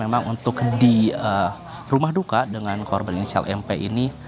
memang untuk di rumah duka dengan korban inisial mp ini